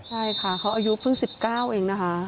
ใช่ค่ะเขาอายุเพิ่ง๑๙เองนะคะ